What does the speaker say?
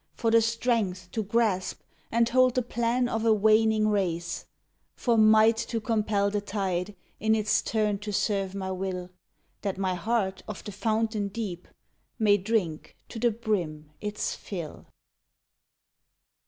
For the strength to grasp and hold the plan of a waning race. For might to compel the tide in its turn to serve my will, That my heart of the fountain deep, may drink to the brim its fill!